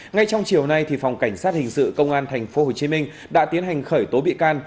ngay trong chiều nay phòng cảnh sát hình sự công an tp hcm đã tiến hành khởi tố bị can